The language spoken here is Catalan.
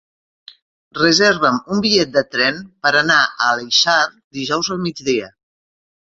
Reserva'm un bitllet de tren per anar a l'Aleixar dijous al migdia.